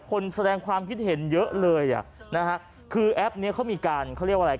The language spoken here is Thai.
คนแสดงความคิดเห็นเยอะเลยอ่ะนะฮะคือแอปเนี้ยเขามีการเขาเรียกว่าอะไร